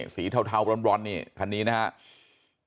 เทาบร้อนนี่คันนี้นะครับ